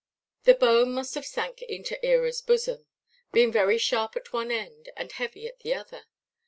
The bone must have sunk into ĕraʼs bosom, being very sharp at one end, and heavy at the other.